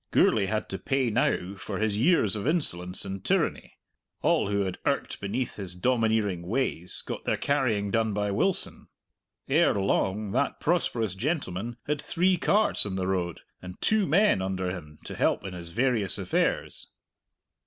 Gourlay had to pay now for his years of insolence and tyranny; all who had irked beneath his domineering ways got their carrying done by Wilson. Ere long that prosperous gentleman had three carts on the road, and two men under him to help in his various affairs.